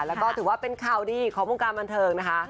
แล้วก็ถือว่าเป็นข่าวดีของวงการบันเทิงนะคะ